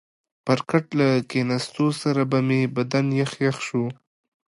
پر کټ له کښېنستو سره به مې بدن یخ یخ شو.